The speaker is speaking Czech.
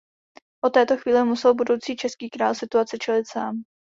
Od této chvíle musel budoucí český král situaci čelit sám.